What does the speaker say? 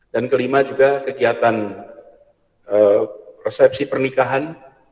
dan kelima juga kegiatan resepsi pernikahan